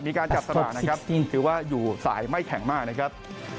มีการจับสลากนะครับถือว่าอยู่สายไม่แข็งมากนะครับ